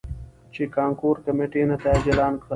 ،چې کانکور کميټې نتايج اعلان کړل.